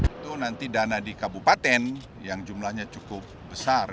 itu nanti dana di kabupaten yang jumlahnya cukup besar